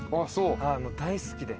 大好きで。